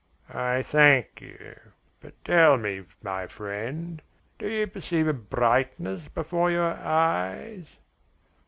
"I thank you. But tell me, my friend, do you perceive a brightness before your eyes?"